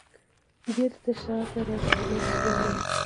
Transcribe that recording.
بیرته شاته راستنه شومه